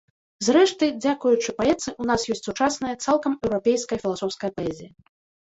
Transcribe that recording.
Зрэшты, дзякуючы паэтцы ў нас ёсць сучасная, цалкам еўрапейская філасофская паэзія.